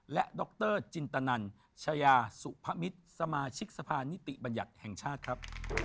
และดรจินตนันชายาสุพมิตรสมาชิกสะพานนิติบัญญัติแห่งชาติครับ